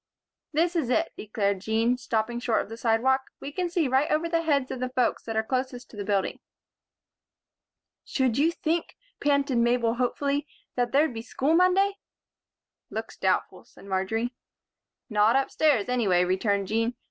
"This is it," declared Jean, stopping short on the sidewalk. "We can see right over the heads of the folks that are close to the building." "Should you think," panted Mabel, hopefully, "that there'd be school Monday?" "Looks doubtful," said Marjory. "Not upstairs, anyway," returned Jean.